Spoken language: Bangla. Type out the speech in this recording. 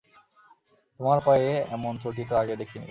তোমার পায়ে এমন চটি তো আগে দেখি নি।